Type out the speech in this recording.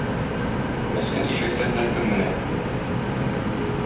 Мескен ишәккә һәркем менә.